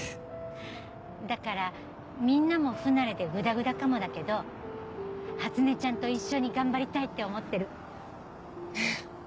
だからみんなも不慣れでグダグダかもだけど初音ちゃんと一緒に頑張りたいって思ってる。